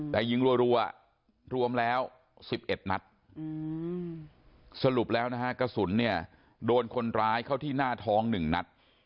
แต่ยิงรัวรวมแล้ว๑๑นัดสรุปแล้วนะฮะกระสุนเนี่ยโดนคนร้ายเข้าที่หน้าท้อง๑นัด